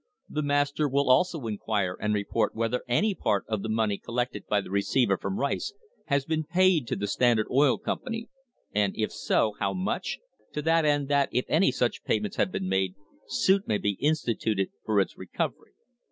The master will also inquire and report whether any part of the money collected by the receiver from Rice has been paid to the Standard Oil Company, and if so how much, to the end that, if any such payments have been made, suit may be in stituted for its recovery."